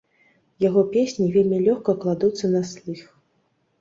Яго песні вельмі лёгка кладуцца на слых.